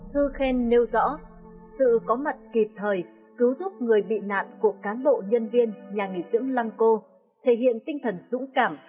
thư khen nêu rõ sự có mặt kịp thời cứu giúp người bị nạn của cán bộ nhân viên nhà nghỉ dưỡng lăng cô thể hiện tinh thần dũng cảm